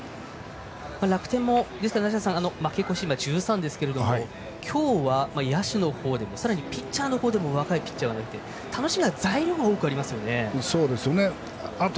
楽天も負け越し１３ですけれども今日は野手の方でもさらにピッチャーの方でも若いピッチャーがいて楽しみな材料が多くありますね。